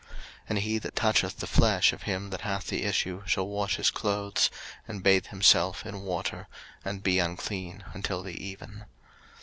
03:015:007 And he that toucheth the flesh of him that hath the issue shall wash his clothes, and bathe himself in water, and be unclean until the even.